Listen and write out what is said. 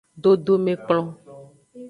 Dodomekplon.